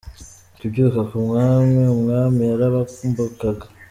Kubyuka ku Mwami: Umwami yarabambukaga.